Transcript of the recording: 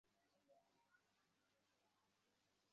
তিনি যা শেখাতে এসেছিলেন, তাই ছড়াও।